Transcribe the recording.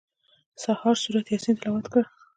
سهار سورت یاسین تلاوت کړه.